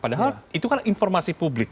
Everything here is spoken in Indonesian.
padahal itu kan informasi publik